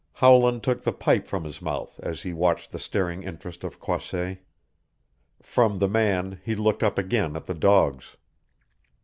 Howland took his pipe from his mouth as he watched the staring interest of Croisset. From the man he looked up again at the dogs.